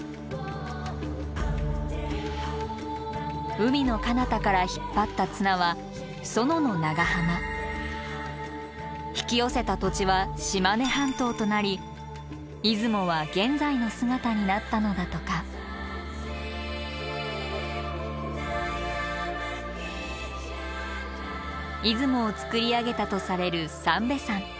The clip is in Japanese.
海のかなたから引っ張った綱は薗の長浜引き寄せた土地は島根半島となり出雲は現在の姿になったのだとか出雲を造り上げたとされる三瓶山。